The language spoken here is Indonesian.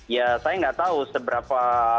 ya saya nggak tahu seberapa